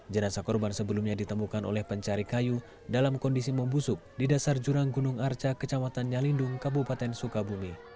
jenazah korban sebelumnya ditemukan oleh pencari kayu dalam kondisi membusuk di dasar jurang gunung arca kecamatan nyalindung kabupaten sukabumi